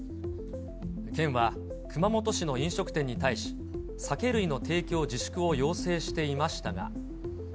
県は、熊本市の飲食店に対し、酒類の提供自粛を要請していましたが。